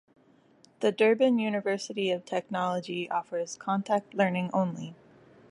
The Durban University of Technology offers contact learning only.